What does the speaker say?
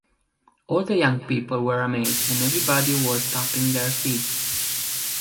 All the young people were amazed and everybody was tapping their feet.